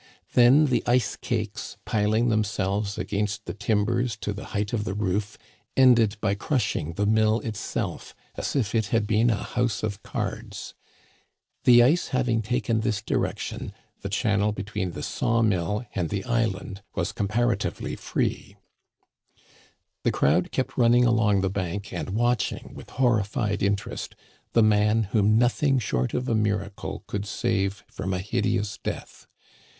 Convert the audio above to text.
Then the ice cakes, pil ing themselves against the timbers to the height of the roof, ended by crushing the mill itself as if it had been a house of cards. The ice having taken this direction, the channel between the saw mill and the island was comparatively free. Digitized by VjOOQIC THE BREAKING UP OF THE ICE. 65 The crowd kept running along the bank and watch ing with horrified interest the man whom nothing short of a miracle could save from a hideous death.